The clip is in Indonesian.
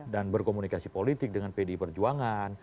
dan berkomunikasi politik dengan pdi perjuangan